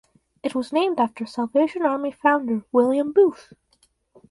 It was named after Salvation Army founder William Booth.